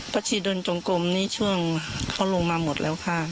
ชิดลจงกลมนี่ช่วงเขาลงมาหมดแล้วค่ะ